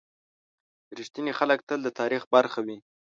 • رښتیني خلک تل د تاریخ برخه وي.